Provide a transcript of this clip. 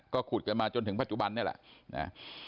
ก็ขุดกันมาจนถึงปัจจุบันนี่แหละนะ